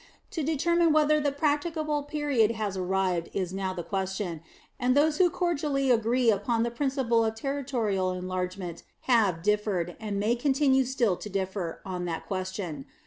To determine whether that practicable period has arrived is now the question; and those who cordially agree upon the principle of territorial enlargement have differed, and may continue still to differ, on that question.